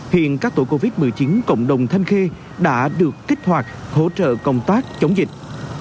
hiện các tổ covid một mươi chín cộng đồng thanh khê đã được kích hoạt hỗ trợ công tác chống dịch